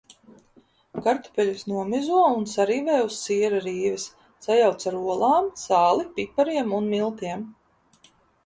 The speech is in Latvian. Kartupeļus nomizo un sarīvē uz siera rīves, sajauc ar olām, sāli, pipariem un miltiem.